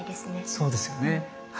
そうですよねはい。